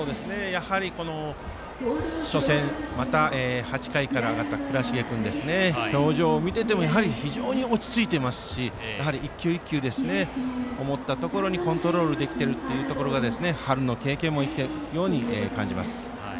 この初戦また８回から上がった倉重君表情を見ていても非常に落ち着いていいますしやはり１球１球思ったところにコントロールできているというところが春の経験も生きているように感じます。